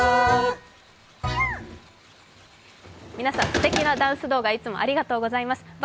皆さん、すてきなダンス動画、いつもありがとうございます。